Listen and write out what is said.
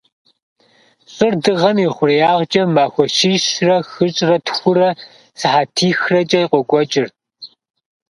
Щӏыр Дыгъэм и хъуреягъкӏэ махуэ щищрэ хыщӏрэ тхурэ сыхьэтихрэкӏэ къокӏуэкӏыр.